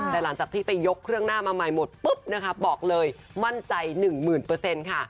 แต่หลังจากที่ไปยกเครื่องหน้ามาใหม่หมดปุ๊บนะคะบอกเลยมั่นใจหนึ่งหมื่นเปอร์เซ็นต์ค่ะ